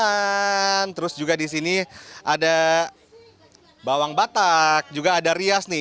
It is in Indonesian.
dan terus juga di sini ada bawang batak juga ada rias nih